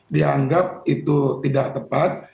dianggap itu tidak tepat